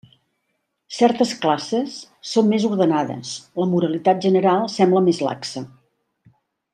Certes classes són més ordenades; la moralitat general sembla més laxa.